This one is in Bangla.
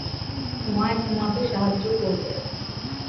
তোমায় ঘুমোতে সাহায্য করবে।